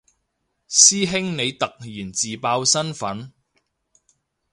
師兄你突然自爆身份